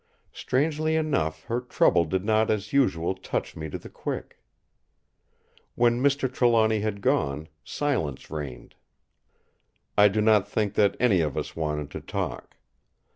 Strangely enough her trouble did not as usual touch me to the quick. When Mr. Trelawny had gone, silence reigned. I do not think that any of us wanted to talk.